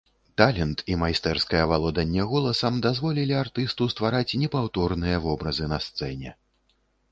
Талент і майстэрскае валоданне голасам дазволілі артысту ствараць непаўторныя вобразы на сцэне.